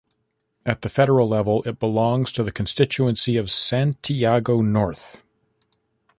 At the federal level, it belongs to the constituency of Santiago North.